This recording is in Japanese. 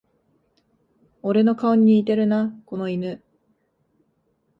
俺の顔に似てるな、この犬